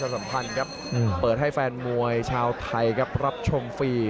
สามารถเปิดให้แฟนมวยชาวไทยรับชมฟรี